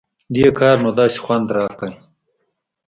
دې کار نو داسې خوند راکړى و.